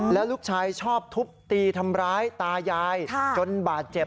แล้วลูกชายชอบทุบตีทำร้ายตายายจนบาดเจ็บ